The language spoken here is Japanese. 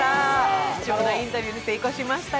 貴重なインタビューに成功しました。